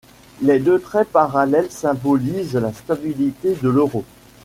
Les deux traits parallèles symbolisent la stabilité de l’euro.